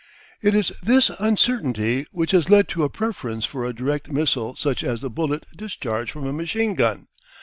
It is this uncertainty which has led to a preference for a direct missile such as the bullet discharged from a machine gun.